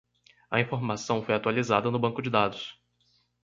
A informação foi atualizada no banco de dados.